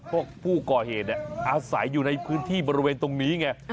พวกผู้ก่อเหตุอาศัยอยู่ในพื้นที่บริเวณตรงนี้ไง